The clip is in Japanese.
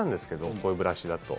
こういうブラシだと。